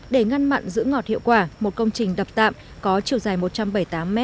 để ngăn mặn giữ ngọt hiệu quả một công trình đập tạm có chiều dài một trăm bảy mươi tám m